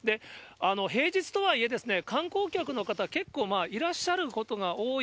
平日とはいえ、観光客の方、結構いらっしゃることが多い